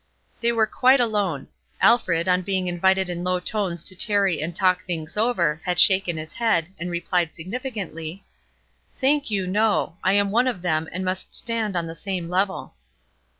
They were quite alone. Alfred, on being invited in low tones to tarry and talk things over, had shaken his head, and replied, significantly: "Thank you! no; I am one of them, and must stand on the same level."